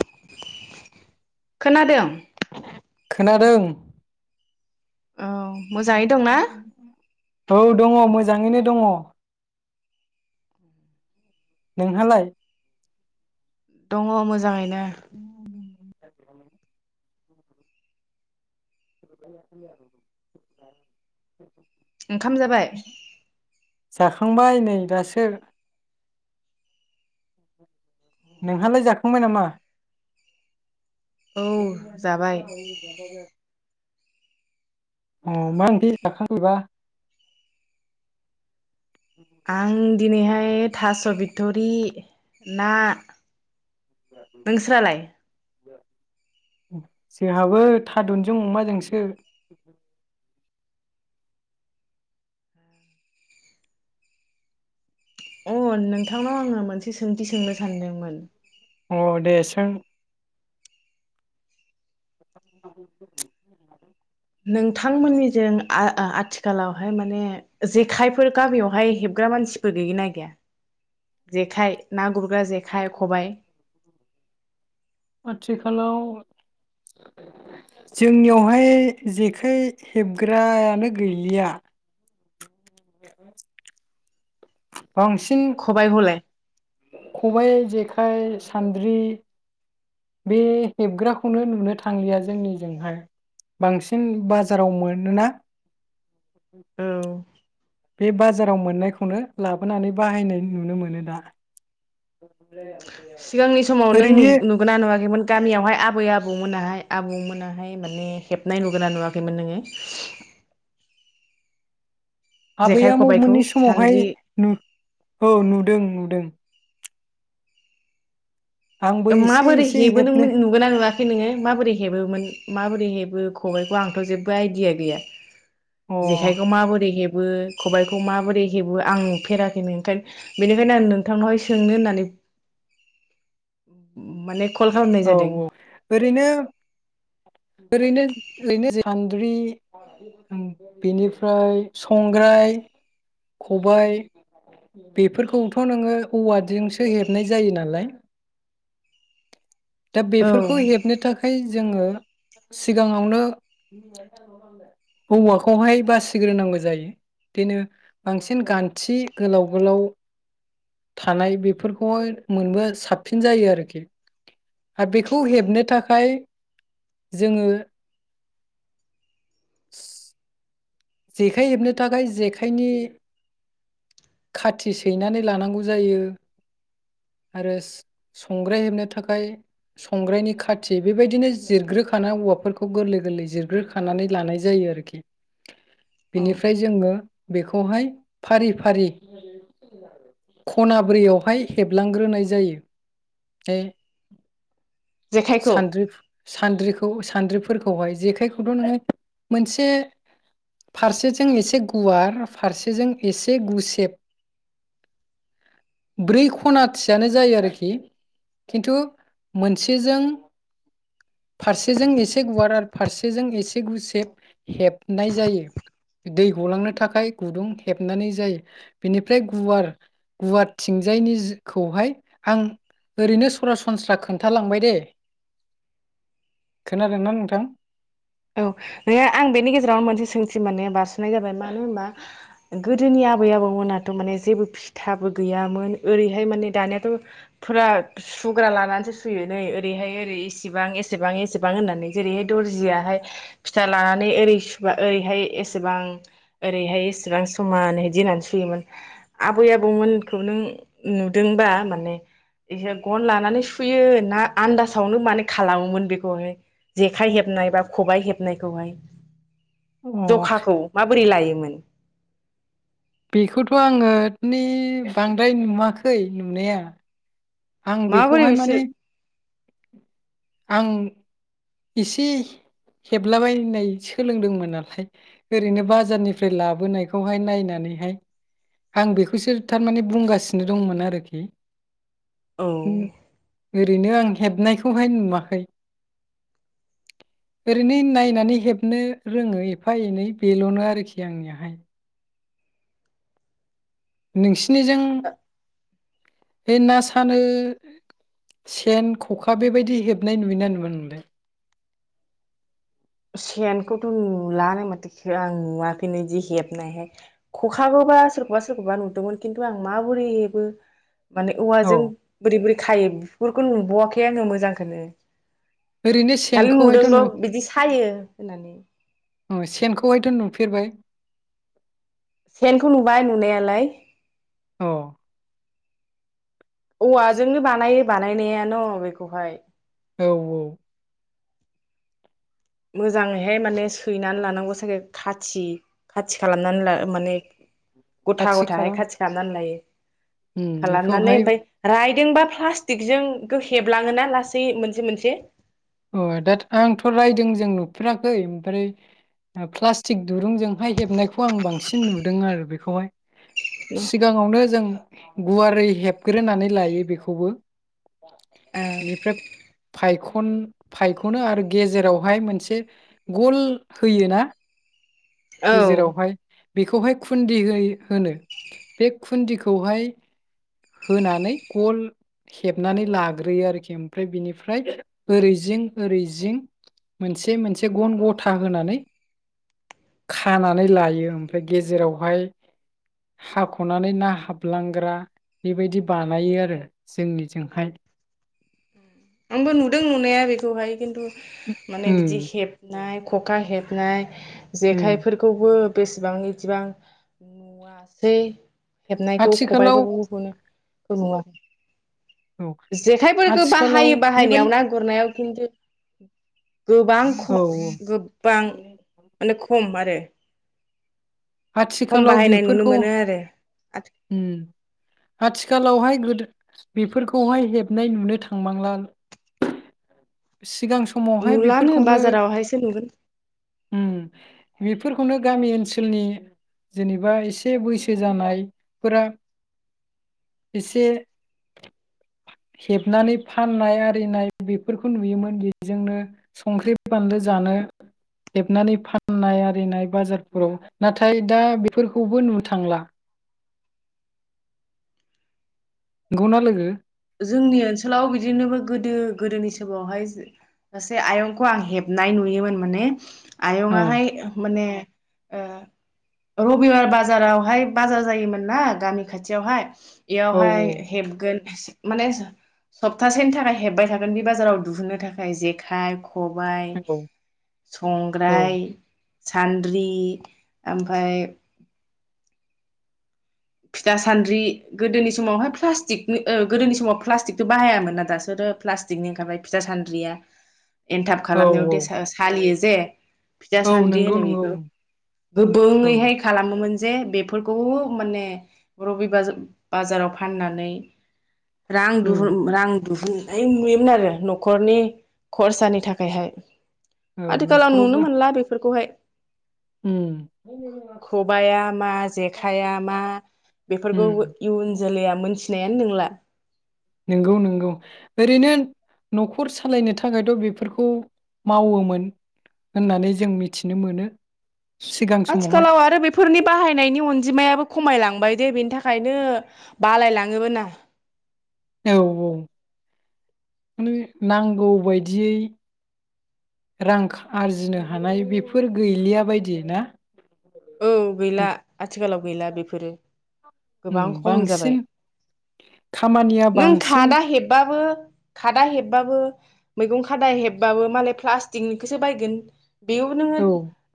[inaudible] खोनादों? खोनादों। औ मोजाङै दंना? औ दङ मोजाङैनो दङ। नोंहालाय? दङ मोजाङै। नो। [inaudible] [inaudible] ओंखाम जाबाय? जाखांबाय नै दासो। नोंहालाय जाखांबाय नामा? [inaudible] औ जाबाय उम ओंख्रि जाखो बेबा? आं दिनैहाय थास बिथरि ना। नोंसोरालाय? जोंहाबो थादुनजों अमाजोंसो। अ नोंथांनाव आङो मोनसे सोंथि सोंनो सानदोंमोन। ओं। [inaudible] नोंथांमोननिजों आ आथिखालावहाय माने जेखायफोर गामियावहाय हेब ग्रा मानसिफोर गैयोना गैया? जेखाय ना गुर ग्रा जेखाइ खबाइ। आथिखालाव जोंनियावहाय जेखाइ हेबग्रायानो गैलिया। [inaudible] बांसिन खबाइ हलाय खबाइ जेखाइ सानद्रि। बे हेबग्राखौनो नुनो थांलिया जोंनि जोंहाय बांसिन बाजाराव मोनोना औ [unintelligible] बे बाजाराव मोननायखौनो लाबोनानै बाहायनाय नुनो मोनो दा। सिगांनि समाव नों ओरैनो नुगोना नुवाखैमोन? गामियावहाय आबै आबौमोनाहाय आबौ मोनाहाय माने हेबनाय नुगोना नुवाखैमोन नोङो। जेखाइ आबैया खबाइखौ आबौमोननि समावहाय सान्द्रि औ नुदों नुदों। आंबो एसे माबोरै एसे हेबो नों हेबनो नुगोना नुवाखै नोङो माबोरै हेबोमोन माबोरै हेबो बो खबायखौ आंथ जेबो आइदिया गैया। अ जेखायखौ औ माबोरै हेब हेबो खबायखौ माबोरै हेबो आं नुफेराखैनो ओंखाय बेनिखायनो आं नोंथांनावहाय सोंनो होननानै माने कल खालामनाय औ जादों औ ओरैनो ओरैनो ओरैनो सान्द्रि बेनिफ्राय संग्राय खबाय बेफोरखौथ नोङो औवाजोंसो हेबनाय जायो नालाय दा बेफोरखौ औ हेबनो थाखाय जोङो सिगाङावनो औवाखौहाय बासिग्रोनांगौ जायो बिदिनो बांसिन गान्थि गोलाव गोलाव थानाय बेफोरखौहाय मोनबो साबसिन जायो आरोखि आरो बेखौ हेबनो थाखाय जोङो जेखाइ हेबनो थाखाय जेखाइनि खाथि सैनानै लानांगौ जायो आरो संग्राय हेबनो थाखाय संग्रायनि खाथि बेबायदिनो जिरग्रोखाना औवाफोरखौ गोरलै गोरलै जिरग्रोखानानै लानाय जायो आरोखि बिनिफ्राय जोङो बेखौहाय फारि फारि खनाब्रैयावहाय हेबलांग्रोनाय जायो बे जेखाइखौ सानद्रि सानद्रिखौ सान्द्रिफोरखौहाय जेखायखौथ नोङो मोनसे फारसेजों एसे गुवार फारसेजों एसे गुसेब ब्रै खनाथियानो जायो आरोखि खिन्थु मोनसेजों फारसेजों एसे गुवार आरो फारसेजों एसे गुसेब हेबनाय जायो। दै गलांनो थाखाय गुदुं हेबनानै जायो बेनिफ्राय गुवार गुवार थिंजायनिखौहाय आं ओरैनो सरासनस्रा खोन्थालांबाय दे खोनादोंना नोंथां। औ नङा आं बेनि गेजेरावनो मोनसे सोंथि माने बारसनाय जाबाय मानो होनबा गोदोनि आबै आबौमोनाथ माने जेबो फिथाबो गैयामोन ओरैहाय माने दानियाथ फुरा सुग्रा लानानैसो सुयो नै ओरैहाय ओरै एसेबां एसेबां एसेबां होननानै जेरैहाय दर्जियाहाय फिथा लानानै ओरै सुबा ओरैहाय एसेबां ओरैहाय एसेबां समान इदि होननानै सुयोमोन आबै आबौमोनखौ नों नुदोंबा माने बिसोर गन लानानै सुयो ना आन्दासावनो माने खालामोमोन बेखौहाय जेखाइ हेबनाय बा खबाइ हेबनायखौहाय अ जखाखौ माबोरै लायो। मोन। बेखौथ आङो माने बांद्राय नुवाखै नुनाया आं माबोरै बेखौहाय बिसोर माने आं एसे हेबलाबायनाय सोलोंदोंमोन नालाय ओरैनो बाजारनिफ्राय लाबोनायखौहाय नायनानैहाय आं बेखौसो थारमाने बुंगासिनो दंमोन आरोखि औ उम ओरैनो आं हेबनायखौहाय नुवाखै ओरैनो नायनानै हेबनो रोङो एफा एनै बेलनो आरोखि आंनियाहाय नोंसिनिजों बे ना सानो सेन खखा बेबायदि हेबनाय नुयोना नुआ नोलाय सेनखौथ नुलानो माथो आं नुवाखैनो इदि हेबनायहाय खखाखौबा सोरखौबा सोरखौबा नुदोंमोन खिन्थु आं माबोरै हेबो माने औ औवाजों बोरै बोरै खायो बेफोरखौ नुुबावआाखै आङो मोजांखौनो ओरैनो सेनखौहायथ नु हायो होननानै सेनखौहायथ नुफेरबाय सेनखौ नुबाय नुनायालाय । अ औवाजोंनो बानायो बानायनाया न बेखौहाय? औ -औ मोजाङैहाय माने सैनानै लानांगौ सागे खाथि-खाथि खालामनानै ला माने गथा खाथि खाला गथाहाय खाथि खालामनानै लायो। उम खालामनानै बेखौहाय ओमफ्राय राइट दोंबा फ्लासथिग जों गो हेबलाङो ना लासै मोनसे मोनसे? अ दा आंथ' रायदों जों नुफेराखै ओमफ्राय प्लास्टिक दुरुंजोंहाय हेबनायखौ आं बांसिन नुदों आरो बेखौहाय सिगाङावनो जों गुवारै हेबग्रोनानै लायो बेखौबो, निफ्राय फायख फन फाइखौनो आरो गेजेरावहाय मोनसे गल होयोना औ गेजेरावहाय बेखौहाय खुन्दि है होनो बे खुन्दिखौहाय होनानै गल हेबनानै लाग्रोयो आरोखि ओमफ्राय बिनिफ्राय ओरै जिं ओरै जिं मोनसे मोनसे गन गथा होनानै खानानै लायो ओमफ्राय गेजेरावहाय हाखनानै ना हाबलांग्रा बेबायदि बानायो आरो जोंनिजोंहाय । आंबो नुदों नुनाया बेखौहाय खिन्थु, माने बिदि उम हेबनाय खखा हेबनाय, उम जेखाइ फोरखौबो बेसेबां बिदिबां नुवासै हेबनायखौ आथिखालाव खबाइ औ जेखाइफोरखौ बा आथिखालाव हायो बेबाय बाहायनायाव ना गुरनायाव खिन्थु गोबां ख औ गोबां माने खम आरो खम आथिखालाव बाहायनाय नुनो बेफोरखौ मोनो आरो ओम आथिखालावहाय गोदो बेफोरखौहाय हेबनाय नुनो थांबांला [inaudible] सिगां समावहाय नुलानो बेफोरखौनो बाजारावहायसो नुगोन ओम बेफोर खौनो गामि ओनसोलनि जेनेबा एसे बैसो जानायफोरा एसे हेबनानै फाननाय आरिनाय बे बेफोरखौ नुयोमोन बेजोंनो संख्रि बानलु जानो हेबनानै फाननाय आरिनाय बाजारफोराव नाथाय दा बेफोरखौबो नु थांला नंगौना लोगो? जोंनि ओनसोलाव बिदिनोबो गोदो गोदोनि समावहाय जो सासे आयंखौ आं हेबनाय नुयोमोन माने आयंआहाय माने ओ रबिबार बाजारावहाय बाजार जायोमोन ना गामि खाथियावहाय ओ औ बेयावहाय हेबगोन बेसिक माने सप्तासेनि थाखाय हेबबाय थागोन बे बाजाराव दिुहुननो थाखाय जेखाय खबाय औ औ संग्राय सानद्रि ओमफाय फिथा सान्द्रि गोदोनि समावहाय प्लास्टिकनि ओ गोदोनि समाव प्लास्टिकथ बाहायामोन ना दासोरो प्लास्टिकनि ओंखारबाय फिथा सान्द्रिया। एन्थाब औ खालामनायाव दे औ सा-सालियो जे फिथा औ सान्द्रि नंगौ होनो नंगौ बेखौ औ गुबुंङैहाय खालामोमोन जे बे फोरखौबो माने रबि बाजा-बाजाराव फाननानै रां उम दुरुं रां दिहुननाय नुयोमोन आरो न'खरनि खरसानि थाखायहाय। औ आथिखालाव नुनो न'खरावबो मोनला बेफोरखौहाय उम खबायआ मा जेखाइाया मा बेफोरखौ उम इयुन जोलैया मोनथिनायानो नंला। नंगौ-नंगौ ओरैनो न'खर सालायनो थाखायथ बेफोरखौ मावोमोन होननानै जों मिथिनो मोनो सिगां समावहाय आथिखालाव आरो बेफोरनि बाहायनायनि अनजिमायाबो खमायलांबाय दे बेनि थाखायनो बालाय लांङोमबो ना औ औ माने नांगौ बायदियै रां आरजिनो हानाय बेफोर गैलिया बायदि ना औ गैला आथिखालाव गैला बेफोरो उम गोबां खम बांसिन जाबाय खामानिया नों बांसिन खादा हेबबाबो खादा हेबबाबो मैगं खादा हेबबाबो मालाय प्लास्टिकनिखौसो बायगोन। बेयाव नोंङो औ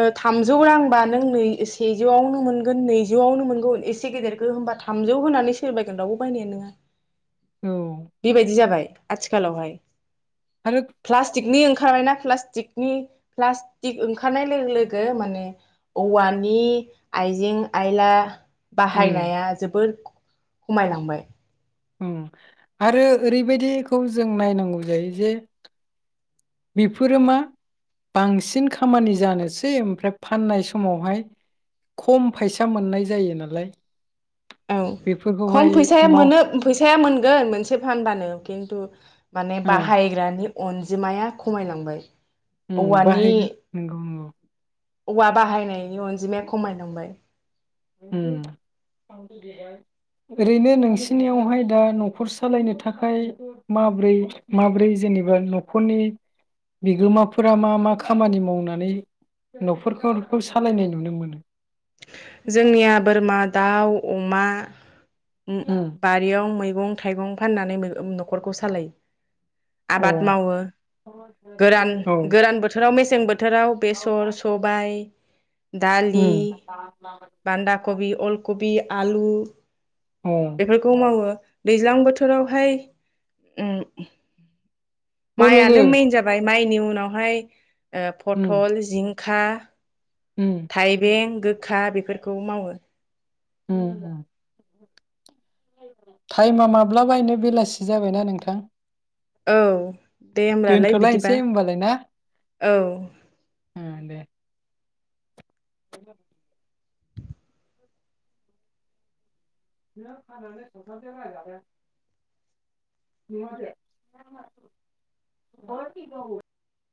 ओ थामजौ रां बा नों सेजौआवनो मोनगोन नैजौआवनो मोनगोन एसे गेदेरखौ होमबा थामजौ होनानै सोर बायगोन रावबो बायनाया नंङा औ बेबायदि जाबाय आथिखालावहाय। आरो प्लास्टिकनि ओंखारबायना प्लास्टिक प्लास्टिक ओंखारनाय लोगो लोगो माने औवानि आइजें आयला उम बाहायनाया जोबोर खमायलांबाय अम आरो ओरैबायदिखौ जों नायनांगौ जायो जे बेफोरो मा बांसिन खामानि जानोसै ओमफ्राय फाननाय समावहाय खम फैसा मोननाय जायो नालाय। औ खम बेफोरखौहाय फैसाया माव मोनो फै साया मोनगोन मोनसे फानबानो खिन्थु माने ओ बाहायग्रानि अनजिमाया खमायलांबाय। ओ औवानि बाहायगोन नंगौ नंगौ। औवा बाहायनायनि अनजिमाया खमायलांबाय ओम ओरैनो नोंसिनियावहाय दा न'खर सालायनो थाखाय माब्रै माब्रै जेनेबा नख'रनि बिगोमाफोरा मा मा खामानि मावनानै न'खरफोरखौ सालायनाय नुनो मोनो? जोंनिया बोरमा दाउ, अमा उम बारियाव मै गं थाइगं फाननानै मै न'खरखौ सालायो। अ आबाद मावो गोरान औ गोरान बोथोराव मेसें जोंबो थोराव बेसर, सबाय दालि उम बान्दा कबि, अलकबि, आलु लु अ बेफोरखौ मावो। दैज्लां बोथोरावहाय औ लोगो माइआनो मैन जाबाय। माइनि उनावहाय ओ उम फटल जिं खा उम थाइबें गोखा बेफोरखौ मावो। उम टाइमा माब्ला बानो बेलासि जाबायना नोंथां? औ दे होमब्ला बिदिबा दोनथ'लायनोसै होमबालाय औ उम दे [inaudible] [unintelligible]